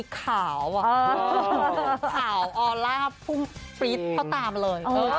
ขาวออร่าพุ่งปริศเขาตามเลย